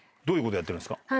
どういうことやってるんですか？